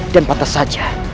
dan pantas saja